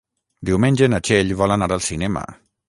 Diumenge na Txell vol anar al cinema.